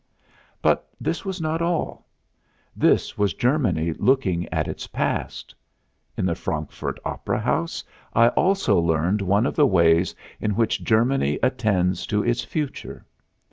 But this was not all. This was Germany looking at its Past. In the Frankfurt opera house I also learned one of the ways in which Germany attends to its Future.